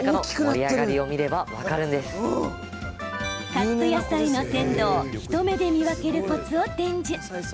カット野菜の鮮度を一目で見分けるコツを伝授。